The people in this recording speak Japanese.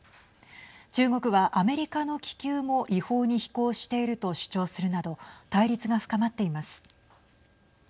中国はアメリカの気球も違法に飛行していると主張するなど対立が深まっています。